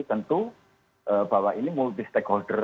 tentu bahwa ini multi stakeholder